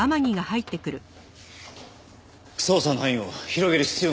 捜査の範囲を広げる必要があります。